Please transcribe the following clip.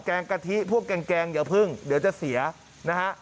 งกะทิพวกแกงอย่าพึ่งเดี๋ยวจะเสียนะฮะ